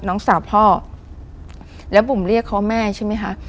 น้องสาวพ่อแล้วบุ๋มเรียกเขาแม่ใช่ไหมคะ